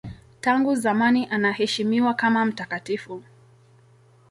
Tangu zamani anaheshimiwa kama mtakatifu.